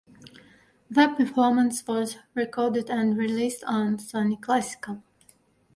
The performance was recorded and released on Sony Classical.